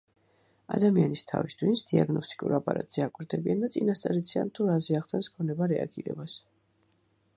ადამიანის თავის ტვინს დიაგნოსტიკურ აპარატზე აკვირდებიან და წინასწარ იციან, თუ რაზე ახდენს გონება რეაგირებას.